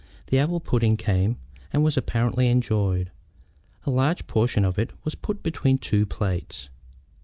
The apple pudding came, and was apparently enjoyed. A large portion of it was put between two plates.